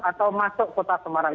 atau masuk kota semarang